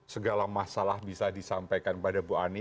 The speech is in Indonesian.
segala masalah bisa disampaikan pada bu ani